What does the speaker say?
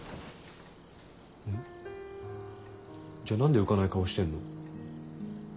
じゃあ何で浮かない顔してんの？